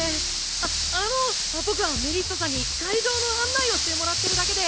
ああの僕はメリッサさんに会場の案内をしてもらってるだけで。